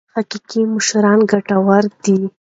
حقوقي مشوره ګټوره ده.